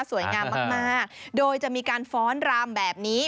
งามมากโดยจะมีการฟ้อนรำแบบนี้